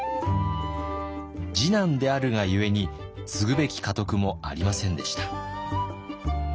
次男であるがゆえに継ぐべき家督もありませんでした。